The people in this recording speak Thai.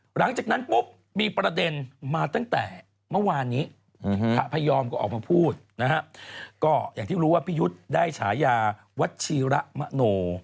หลังจากนั้นปุ๊บมีประเด็นมาตั้งแต่เมื่อวานนี้พระพยอมก็ออกมาพูดนะฮะก็อย่างที่รู้ว่าพี่ยุทธ์ได้ฉายาวัชชีระมโน